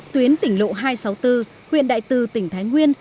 tuyến tỉnh lộ hai trăm sáu mươi bốn huyện đại từ tỉnh thái nguyên